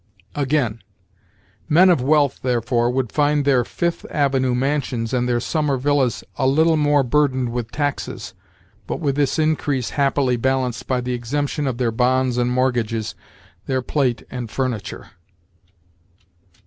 Again: "Men of wealth, therefore, would find their Fifth Avenue mansions and their summer villas a little more burdened with taxes, but with this increase happily balanced by the exemption of their bonds and mortgages, their plate and furniture."